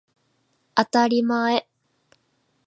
あたりまえ